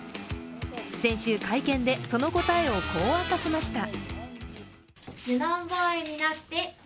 先週、会見でその答えをこう明かしました。